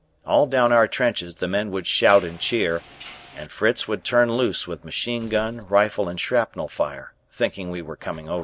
All down our trenches the men would shout and cheer, and Fritz would turn loose with machine gun, rifle, and shrapnel fire, thinking we were coming over.